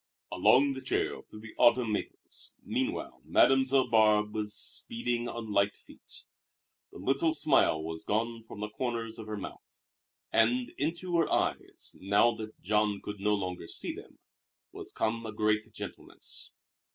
Along the trail through the autumn maples, meanwhile Mademoiselle Barbe was speeding on light feet. The little smile was gone from the corners of her mouth, and into her eyes, now that Jean could no longer see them, was come a great gentleness.